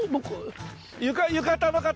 浴衣の方！